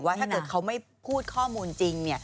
ถ้าเกิดเขาไม่พูดข้อมูลจริง